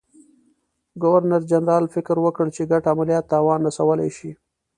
ګورنرجنرال فکر وکړ چې ګډ عملیات تاوان رسولای شي.